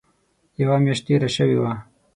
یوه میاشت تېره شوې وه.